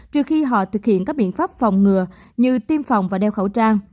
trừ khi họ thực hiện các biện pháp phòng ngừa như tiêm phòng và đeo khẩu trang